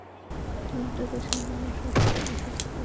মনটাকে সামান্য সজাগ এবং সজীব রাখাই হবে আপনার চলতি সপ্তাহের করণীয়।